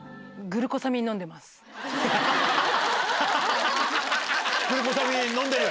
グルコサミン飲んでる？